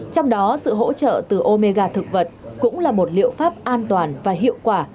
trong đó sự hỗ trợ từ omega thực vật cũng là một liệu pháp an toàn và hiệu quả